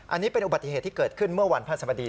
อันนี้เป็นอุบัติเหตุที่เกิดขึ้นเมื่อวันพระสมดี